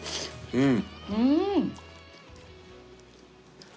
うん。